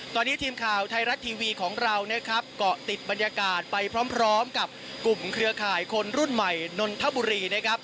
ตอนนี้ทีมข่าวไทยรัฐทีวีของเรานะครับเกาะติดบรรยากาศไปพร้อมกับกลุ่มเครือข่ายคนรุ่นใหม่นนทบุรีนะครับ